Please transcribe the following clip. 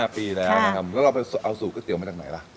๑๕ปีแล้วแล้วเราไปเอาสูตรก๋วยเตี๋ยวมาจากไหนล่ะ